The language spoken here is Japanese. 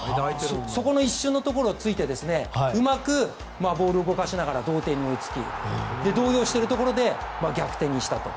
そこの一瞬のところを突いてうまく動かしながら同点に追いつき動揺しているところで逆転にしたと。